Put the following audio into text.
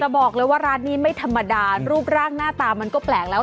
บอกเลยว่าร้านนี้ไม่ธรรมดารูปร่างหน้าตามันก็แปลกแล้ว